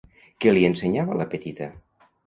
Què li ensenyava la petita?